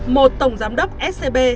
một tổng giám đốc scb